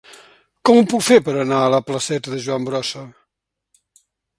Com ho puc fer per anar a la placeta de Joan Brossa?